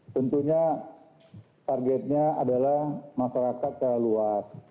tentunya targetnya adalah masyarakat secara luas